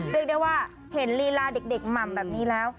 เรียกได้ว่าเห็นลีลาเด็กหม่ำแบบนี้แล้ว